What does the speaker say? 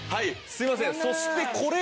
すいません。